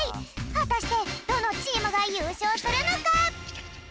はたしてどのチームがゆうしょうするのか！？